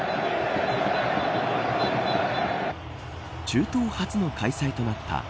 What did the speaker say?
中東初の開催となったＦＩＦＡ